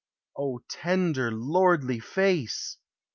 O tender lordly Face!